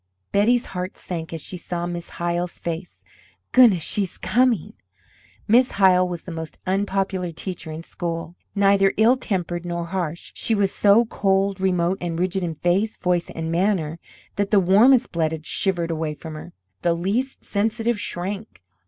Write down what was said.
Betty's heart sank as she saw Miss Hyle's face. "Goodness, she's coming!" Miss Hyle was the most unpopular teacher in school. Neither ill tempered nor harsh, she was so cold, remote and rigid in face, voice, and manner that the warmest blooded shivered away from her, the least sensitive shrank.